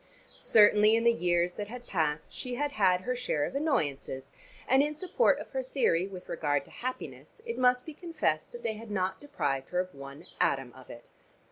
Certainly in the years that had passed she had had her share of annoyances, and in support of her theory with regard to happiness it must be confessed that they had not deprived her of one atom of it.